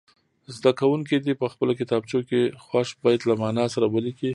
زده کوونکي دې په خپلو کتابچو کې خوښ بیت له معنا سره ولیکي.